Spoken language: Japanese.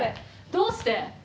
どうして？